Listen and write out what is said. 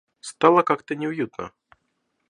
Стало как-то неуютно.